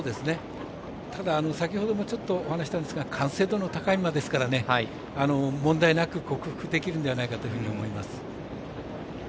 ただ、先ほどもちょっとお話をしたんですが完成度の高い馬ですから問題なく克服できるんではないかというふうに思います。